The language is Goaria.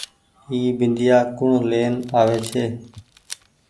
اي بنديآ ڪوڻ لين آوي ڇي۔